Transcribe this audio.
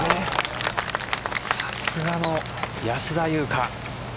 さすがの安田祐香。